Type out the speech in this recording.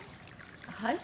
はい？